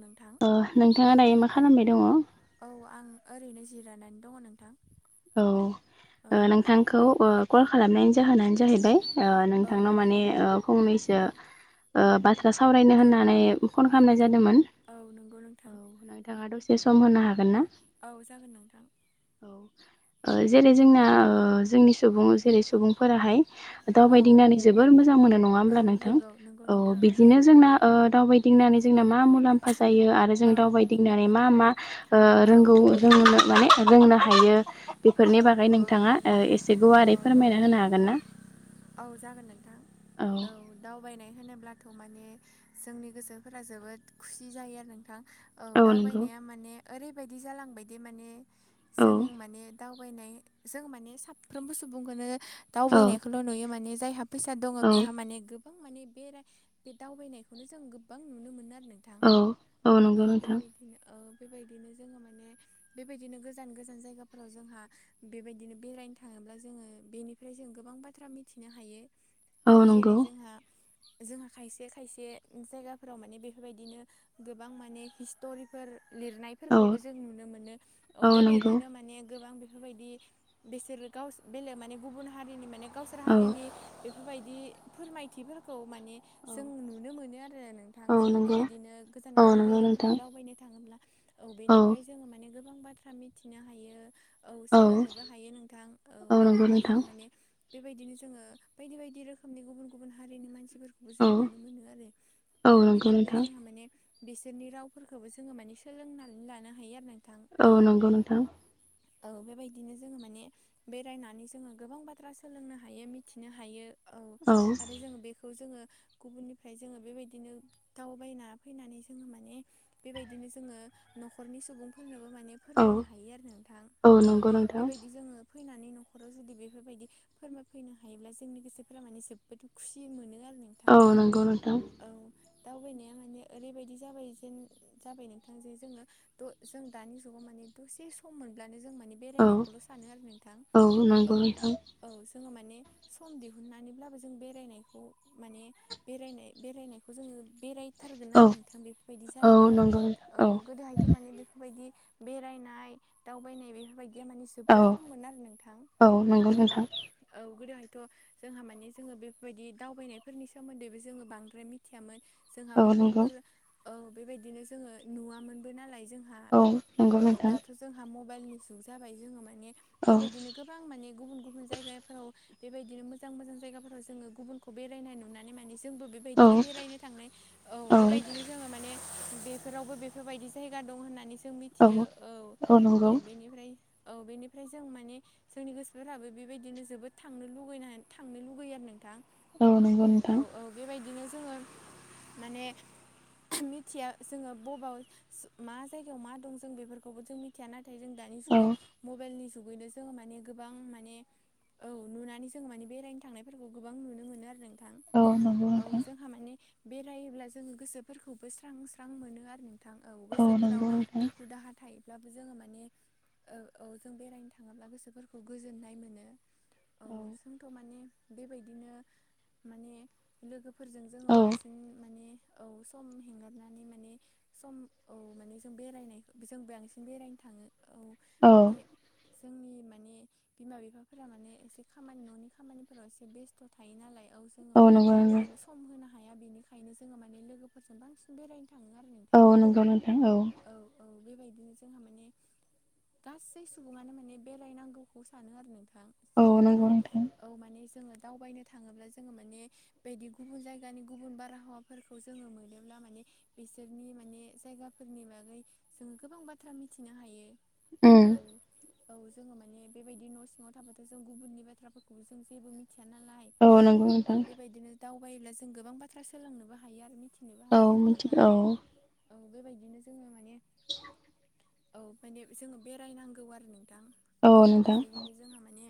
नोंथां अ नोंथाङा दायो मा खालामबाय दङ। औ आं ओरैनो जिरायनानै दङ नोंथां। औ नोंथांखौ कल खालामनायनि जाहोनानो जाहैबाय औ नोंथांनाव माने नंगौ फंनैसो बा सावरायनो औ होननानै फन खालामनाय जादोंमोन नंगौ नोंथां औ बिथाङा दसे सम होनो हागोन ना। औ जागोन नोंथां औ जेरै जोंना ओ जोंनि सुबुं जेरै सुबुंफोराहाय औ दावबायदिंनानै जोबोर मोजां मोनो नङा औ होमब्ला नोंथां नंगौ नंगौ औ नोंथां बिदिनो जोंना ओ दावबायदिंनानै जोंना मा मुलाम्फा जायो आरो जों औ दावबायदिंनानै मा मा ओ औ रोंगौ रों माने रोंनो हायो बेफोरनि औ बागै नंगौ नोंथाङा एसे औ गुवारै फोरमायना होनो हागोन ना औ जागोन नोंथां औ दावबायनाय होनोब्लाथ' माने जोंनि गोसोफोरा जोबोद खुसि जायो आरो नोंथां औ दावबायनाया माने ओरैबायदि जालांबायदि माने औ जों माने दावबायनाय जों माने साफ्रोमबो सुबुंखौनो औ दावबायनायखौल' नुयो माने जायहा फैसा दङ औ बेहा माने गो बां माने बे बे दावबायनायखौनो जों गोबां नुनो मोनो आरो नों थां औ औ नंगौ नोंथां बेबायदि ओ बेबायदिनो जोङो माने बेबायदिनो गोजान गोजान जायगाफोराव जोंहा बेबायदिनो बेरायनो थाङोब्ला जोङो बेनिफ्राय जों गोबां बाथ्रा मिथिनो हायो औ जेरै जोंहा जोंहा खायसे खायसे जायगाफोराव माने बेफोरबायदिनो गोबां माने हिस्ट'रिफोर औ लिरनायफोरखौबो जों नुनो मोनो औ बेबायदिनो माने गोबां बेफोरबायदि बिसोरो बेलेग माने गुबुन हारिनि माने गावसोर औ हारिनि बेबायदि फोरमायथिफोरखौ माने जों नुनो मोनो आरो नोंथां औ जोङो नंगौ बेबायदिनो गोजान औ गोजान नंगौ जायगाफोराव नोंथां दावबायनो थाङोब्ला औ बेनिफ्राय जोङो माने गोबां बाथ्रा मिथिनो हायो औ सोलोंनोबो हायो नोंथां औ नंगौ बेनिफ्राय नोंथां जोंहा माने बेबायदिनो जोङो बायदि बायदि रोखोमनि गुबुन गुबुन हारिनि मानसिफोरखौ औ जों नुनो मोनो आरो औ नंगौ बेनिफ्राय नोंथां जोंहा माने बिसोरनि रावफोरखौबो जोङो माने सोलोंनानै लानो हायो आरो ना औ नंगौ नोंथां औ बेबायदिनो जोङो माने बेरायनानै जोङो गोबां बाथ्रा सोलोंनो हायो मिथिनो हायो औ आरो जों बेखौ जोङो गुबुननिफ्राय जोङो बेबायदिनो दावबायना फैनानै जोङो माने बेबायदिनो जोङो न'खरनि सुबुंफोरनोबो माने औ फोरमायनो हायो आरो नोंथां औ नंगौ नोंथां बेबायदि जोङो फैनानै न'खराव जुदि बेफोरबायदि फोरमाय फैनो हायोब्ला जोंनि गोसोफोरा माने जोबोद खुसि मोनो आरो नोंथां औ नंगौ नोंथां औ दावबायनाया माने ओरैबायदि जाबाय जेन जाबाय नोंथां जे जोङो थ' जों दानि जुगाव माने दसे सम मोनब्लानो जों माने औ बेरायनायखौल' सानो आरो नोंथां औ औ। नंगौ नोंथां औ, जोङो माने सम दिहुन्नानैब्लाबो जों बेरायनायखौ माने बेरायनाय बेरायनायखौ जोङो बेराय थारगोन औ आरो नोंथां बेफोरबायदि औ जालांबाय। नंगौ औ, गोदोहायथ' माने बे फोरबायदि बेरायनाय, दावबायनाय बेफोरबायदिया मानि जोबोद औ खममोन आरो नोंथां नंगौ औ। नोंथां औ गोदोहायथ' जोंहा माने जोङो बेफोरबायदि दावबायनायफोरनि सोमोन्दैबो जोङो बांद्राय मि थियामोन जोंहा औ नंगौ मबेइलफोर ओ बेबायदिनो जोङो नुवा मोनबो नालाय जों हा औ नंगौ औ, नोंथां दाथ' जोंहा मबाइलनि जुग जाबाय जोङो माने औ बेबायदिनो गोबां माने गुबुन गुबुन जायगाफोराव बेबायदिनो मोजां मोजां जायगाफोराव जोङो गुबुनखौ बेरायनाय नुनानै माने जोंबो बे औ बायदिनो बेरायनो थांनाय औ, बेबायदिनो जोङो माने बेफोरावबो बेफोरबायदि जायगा दं होन्नानै जों औ मिथियो औ। औ बेनिफ्राय औ बेनिफ्राय जों माने जोंनि गोसोफोराबो बेबायदिनो जोबोद थांनो लुगैनाय थांनो लुगैयो आरो नोंथां। औ नंगौ औ नोंथां। औ बेबायदिनो जोङो माने मिथिया जोङो बबाव ज-मा जायगायाव मा दं जों बेफोरखौबो जों मि थिया नाथाय जों दानि औ जुगआव मबेइलनि जुगैनो जोङो माने गोबां माने औ नुनानै जोङो माने बेरायनो थांनायफोरखौ गोबां नुनो मोनो आरो नों थां औ नंगौ औ नोंथां जोंहा मानि बेरायोब्ला जोङो गोसोफोरखौबो स्रां स्रां मोनो आरो नों थां औ गोसोफोराव नंगौ नोंथां दुखु दाहा थायो। जोङो माने औ जों बेरायनो थाङोब्ला गोसोफोरखौ गोजोननाय मोनो औ जोंथ' माने बेबायदिनो माने लोगोफोरजों जोङो औ बांसिन माने औ सम हेंगारनानै माने सम औ माने जों बेरायनाय जों बांसि बेरायनो थाङो औ औ माने जोंनि माने बिमा बिफाफोरा माने एसे खामानि न'नि खामानिफोराव एसे बेस्थ' थायो नालाय औ जोङो माने नंगौ नंगौ बेनि सम होनो हाया बेनिखायनो जोङो माने लोगोफोरजों बांसिन बेरायनो थाङो आरो नों औ नंगौ नोंथां औ। औ औ बेबायदिनो जोंहा माने गासै सुबुङानो माने बेरायनांगौखौ सानो आरो नोंथां। जोङो औ। औ माने जोङो दावबायनो थाङोब्ला जोङो माने बेदि गुबुन जायगानि गुबुन बारहावा फोरखौ जोङो मोनोब्ला मोने बिसोरनि माने जायगाफोरनि बागै जोङो गोबां बा थ्रा मिथिनो हायो उम औ। औ जोङो माने बेबायदि न' सिङाव थाबाथ' जों गुबुननि बाथ्राफोरखौबो जों जेबो मिथिया नालाय। नंगौ औ, नोंथां बेबायदिनो दावबायोब्ला जों गोबां बाथ्रा सोलोंनोबो हायो आरो मिथि नोबो औ हायो आरो नोंथां। मिथिगौ औ, बेबायदिनो जोङो माने [inaudible] औ माने जोङो बेरायनांगौ आरो नोंथां। औ, बेबायदिनो जोंहा माने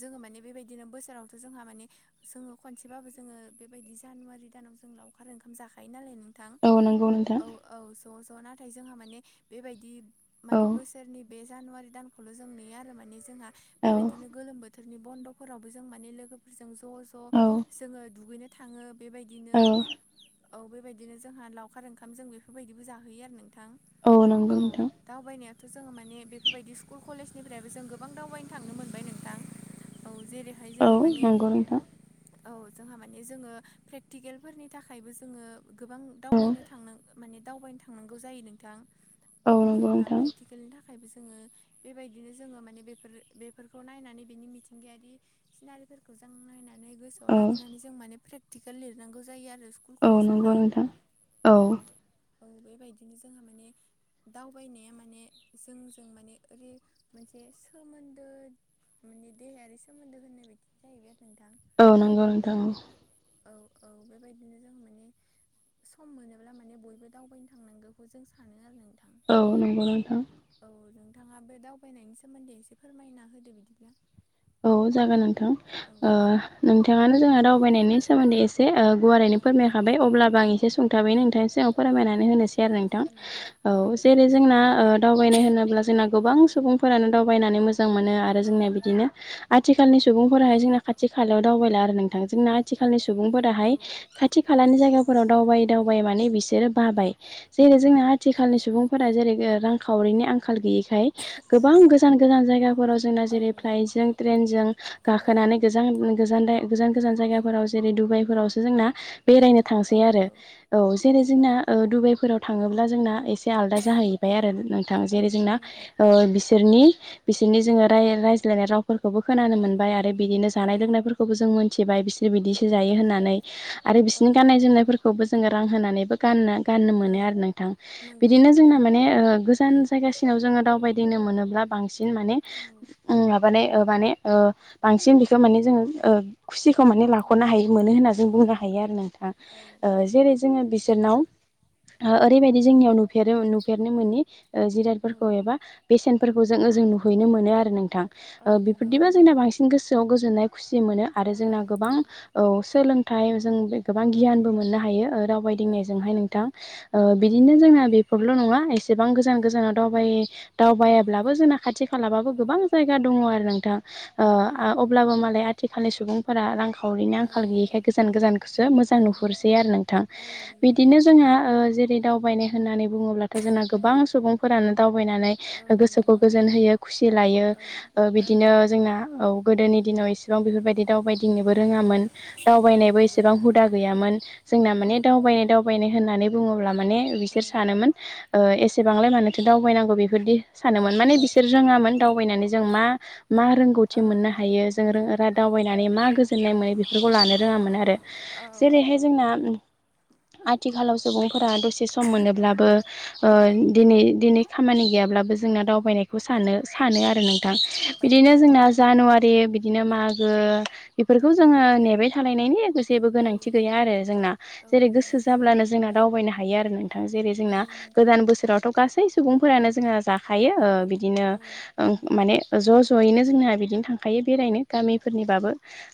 जोङो माने बेबायदिनो बोसोरावथ' जोंहा माने जोङो खनसेबाबो जोङो बेबायदि जानुवारि दानाव जों लाउखार ओंखाम जाखायो नालाय नों थां। औ नंगौ नोंथां औ, औ, ज' ज' नाथाय जोंहा माने बेबायदि औ माने बोसोरनि बे जानुवारि दानखौल' जों नेयो आरो माने जोंहा औ बेबायदिनो गोलोम बो थोरनि बन्द'फोरावबो जों माने लोगोफोरजों ज' ज' औ जोङो दुगैनो थाङो बेबाय दिनो औ औ, बेबायदिनो जोंहा लाउखार ओंखाम जों बेफोरबायदिबो जाहोयो आरो नोंथां। नंगौ औ। नोंथां दावबायनायाथ' जोङो माने बेफोरबायदि स्कुल खलेजनिफ्रायबो जों गोबां दावबायनो थांनो मोनबाय नोंथां। औ जेरैहाय औ जोङो माने नंगौ नोंथां औ जोंहा माने जोङो फ्रेक्टिकेलफोरनि थाखायबो जोङो गोबां औ दावबायनो थांनो [unintelligible] माने दावबायनो थांनांगौ जायो नोंथां औ नंगौ जोंहा नोंथां फ्रेकटिकेलनि थाख खायबो जोङो बेबायदिनो जोङो माने बेफोर बेफोरखौ नायनानै बेनि मिथिंगायारि सिनारिफोरखौ जों नायनानै गोसोआव औ लाखिनानै जों माने प्रेकटिकेल लिरनांगौ जायो आरो [unintelligible] [unintelligible] ल औ नंगौ कलेजफ्राव नोंथां औ औ बेबायदिनो जोंहा माने दावबायनाया माने जोंजों माने ओरै मोनसे सोमोन्दो माने देहायारि सोमोन्दो होननाय बायदि जाहैबाय आरो नोंथां। औ नंगौ नोंथां औ। औ औ औ बेबायदिनो जों माने सम मोनोब्ला माने बयबो दावबायनो थांनांगौखौ जों सानो आरो नों [unintelligible] औ नंगौ नोंथां। औ नोंथाङा बे दावबायनायनि सोमोन्दै एसे फोरमायना होदो बिदिब्ला औ जागोन नोंथां औ ओह नोंथाङानो जोंहा दावबायनायनि सोमोन्दै एसे ओ गुवारैनो औ फोरमायखाबाय अब्लाबो आं एसे सुंथाबै औ नोंथांसिङाव फोरमायनानै होनोसै औ आरो नोंथां। जागोन औ जेनै औ जोंना ओ दाव दावबायनो होनोब्ला जोंना गोबां सुबुंफोरानो दावबायनानै मोजां मोनो आरो औ जोंनिया बिदिनो आथिखालनि औ सुबुंफोराहाय जोंना खाथि खालायाव दावबायला आरो नोंथां जोंना थिखालनि सुबुंफोराहाय खाथि खालानि औ जायगाफोराव दावबायै दावबाय माने बिसोरो बाबाय जेरै जोंना आथिखालनि सुबुंफोरा जेरै ओ रांखावरिनि आंखाल गैयि [unintelligible] औ गोबां गोजान गोजान जायगाफोराव जोंना औ जेरै नंगौ फ्लाइस जों ट्रेनजों औ गाखोनानै गोजां गोजान [unintelligible] गोजान गोजान जायगाफोराव जेरै डुबाइफोरावसो जोंना औ बेरायनो औ थांसै आरो नंगौ औ जेरै जोंना ओ डुबाइफोराव थाङोब्ला जोंना एसे आलदा औ जाहैबाय आरो नोंथां औ जेरै जोंना नंगौ नोंथां ओ बिस [unintelligible] नि बिसोरनि जोङो राय रायज्लायनाय रावफोरखौबो औ खोनानो मोनबाय आरो बिनिनो जानाय औ लोंनायफोर खौबो जों मोनथिबाय बिसोर बिदिसो औ जायो होननानै आरो औ बिसोरनि गाननाय नंगौ जोमनायफोर खौबो जोङो रां होनानैबो गानना गाननो औ मोनो आरो नोंथां। नंगौ बिदिनो नंगौ जोंना माने ओ गोजान जायगासिनाव जोङो दावबायदिनो मोनोब्ला बांसिन माने औ। [unintelligible] ओ बाने ओ बांसिन बेख खो माने जोङो ओ खुसिखौ औ माने लाख'नो हायि मोनो होनना औ जों औ बुंनो हायो नंगौ आरो नोंथां। औ ओ जेरै जोङो बिसोरनाव ओ ओरैबायदि औ जोंनियाव नु फेरो नुफेरनो मोननि ओ औ जिरादफोरखौ एबा बेसेनफोरखौ जों ओजों नुहैनो मोनो आरो नोंथां औ ओ नंगौ बिफोरदिबो जोंना नंगौ बांस सिन गोसोआव गोजोननाय खुसि मोनो आरो औ जोंना गोबां नंगौ औ सोलोंथाइ जों गोबां औ गियानबो मोननो हायो ओ नंगौ दावबायदिंनायजोंहाय नोंथां। ओ औ बिदिनो नंगौ जोंना बे [unintelligible] नङा एसेबां गोजान गोजानाव दावबाय दावबायाब्लाबो जोंना खाथि औ खालाबो गोबां जायगा दं आरो नोंथां ओ औ आ नंगौ अब्लाबो मालाय आथिखालनि सुबुं फोरा रांखावरिनि औ आंखाल गैयिखाय गोजान गोजानखोसो मोजां औ नुहुरसै आरो नोंथां। औ नंगौ बिदिनो नोंथां जोंहा ओ जेरै दावबायनाय होननानै बुङोब्लाथ' जोंना औ गोबां सुबुंफोरानो दावबायनानै औ ओ गोसोखौ नंगौ गोजोन होयो खुसि लायो औ ओ औ बिदिनो नंगौ जोंना औ गोदोनि दिनाव इसिबां बेफोरबायदि दावबायदिंनोबो रोङामोन। औ दावबायनायबो नंगौ एसेबां हुदा गैयामोन जोंना औ माने नंगौ दावबायनाय दाव बायनाय होननानै बुङोब्ला माने औ बिसोर सानोमोन ओ औ एसेबांलाय मानोथो दावबायनांगौ बेफोरदि औ सानोमोन माने बिसोर रोङामोन औ दावबायनानै जों मा मा औ रोंगौथि मोननो हायो जों रों रा दावबायनानै मा गोजोननाय मोनो बेफोरखौ लानो रोङामोन आरो। औ जेरैहाय जोंना आथिखालाव सुबुंफोरा दसे सम मोनोब्लाबो ओ औ दिनै खामानि गैयाब्लाबो जोंना दावबायनाय बेखौ सानो सानो आरो नोंथां औ औ बिदिनो नंगौ जोंना जानुवारि बिदिनो मागो औ बेफोरखौ जोङो नेबाय थालायनायनि गेबो गोनांथि गैया नंगौ आरो जोंना औ जेरै नंगौ गोसो जाब्लानो जोंना दावबायनो हायो आरो नोंथां जेरै औ जोंना नंगौ गोदान बोसोराव गासै सुबुंफोरानो जोङहा जाखायो ओ बिदिनो औ ओं माने ज' ज'यैनो जोंहा बिदिनो थांखायो बेरायनो गामिफोरनिबाबो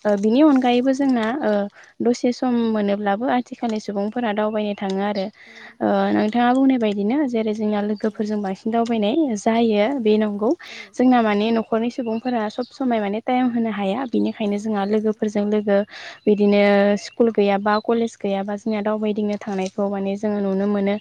ओ बिनि औ नंगौ अनगायैबो जोंना ओ दसे सम मोनोब्लाबो आथिखालनि सुबुंफोरा दावबायनो थाङो आरो औ ओ नोंथाङा बुंनाय बायदिनो जेरै जोंना औ लोगोफोरजों बांसिन दावबायनाय जायो बे औ नंगौ। औ जोंना माने न'खरनि सुबुंफोरा सब समाय माने टाइम होनो हाया। औ बिनिखायनो जोंहा नंगौ लोगोफोरजों लोगो बिदिनो औ स्कुल गैयाबा कलेज गैयाबा जोंनिना दावबायदिंनो थांनायखौ माने जोङो नुनो मोनो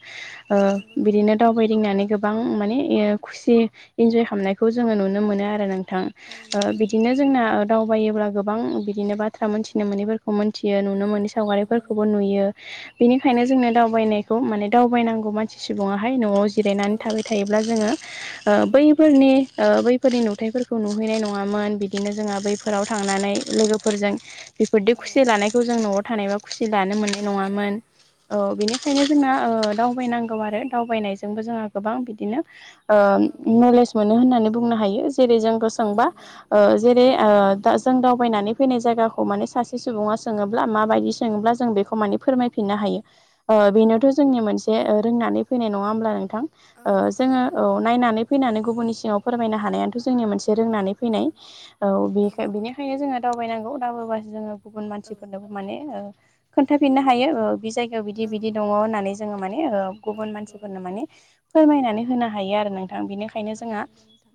ओ नंगौ नोंथां बिदिनो दावबायदिंनानै गोबां माने खुसि इन्जय खालामनाय बे खौ जोङो नुनो मोनो आरो नोंथां औ ओ नंगौ बिदिनो जोंना दावबायोब्ला गोबां बिदिनो बाथ्रा मोनथिनो मोनैफोर खौ मोनथियो नुनो मोननि नंगौ औ नंगौ सावगारिफोरखौबो नोंथां नुयो औ बेनिखायनो जों दावबायनायखौ माने दावबायनांगौ सुबुङाहाय न'आव जिरायनानै औ थाबाय थायोब्ला जोङो ओ औ बैफोरनि ओ बैफोरनि नुथायाइफोरखौ नुहैनाय नङामोन बिदिनो जोंहा बैफोराव औ थांनानै लोगोफोरजों बेफोरदि औ खुसि लानायखौ जों न'आव थानायबा खुसि लानो औ मोननाय नंगौ नङामोन। औ बेनिखायनो जोंना ओ दावबायनांगौ औ आरो दावबायनायजोंबो जोंहा गोबां बिदिनो ओ औ नंगौ नलेज मोनो होननानै बुंनो हायो जेरै जों औ बोसांबा नंगौ ओ जेरै औ ओ जों दावबायनानै फैनाय जायगाखौ माने सासे सुबुङा सोङोब्ला माबायदि सोङोब्ला जों बेखौ माने फोरमायफिननो हायो। ओ बेनोथ' जोंनि मोनसे औ ओ रोंनानै फैनाय नङा हब्ला नोंथां औ ओ नंगौ जोङो नोंथां औ नायनानै फैनानै गुबुननि सिङाव फोरमायनो हानायाथ' जोंनि मोनसे रोंनानै औ फैनाय औ बेनिखायनो जोङो दावबायनांगौ दावबायसो जङो गुबन औ मानसिफोरनोबो माने ओ खोन्थाफिनो हायो ओ बेसोर बिदि औ बिदि दङ होननानै जोङो माने ओ औ गुबुन नंगौ मानसिफोरनो माने फोरमायनानै होनो हायो आरो नोंथां बेनिखायनो औ जोंहा नंगौ नोंथां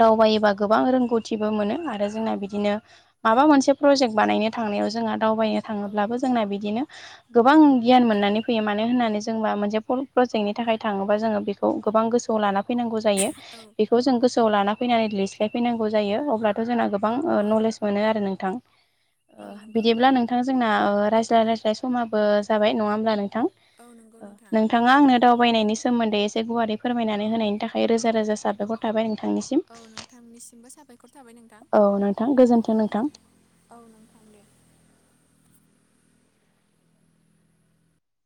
दावबायोबा गोबां रोंगौथिबो मोनो आरो औ जोंना बिदिनो माबा मोनसे प्रजेक्ट बानायनो थांनायाव जोंहा दावबायनो औ थाङोब्लाबो जोंना बिदिनो गोबां औ गियान नंगौ मोननानै फैयो‌। मानो होननानै जोंबा मोनसे कल प्रजेक्टनि थाखाय थाङोबा जोङो बेखौ गोबां गोसोआव लाना फैनांगौ जा रो औ बेखौ जों गोआव लाना फैनानै लायैनांगौ जायो अब्लाथ' जों गोबां ओ औ नलेज मोनो आरो नोंथां ओ औ नंगौ बिदिब्ला नोंथां जोंना ओ औ रायज्लाय राय्जलाय समाबो जाबाय नङा होमब्ला नोंथां नंगौ औ। नोंथां नोंथाङा आंनो दावबायनायनि सोमोन्दै ए गुवारै फोरमायनानै होनायनि थाखाय रोजा रोजा साबायखर थाबाय। नोंथांनिसिम औ नोंथांनिसिमबो साबायखर थाबाय नोंथां औ नोंथां गोजोन्थों औ। नोंथां। औ नोंथां।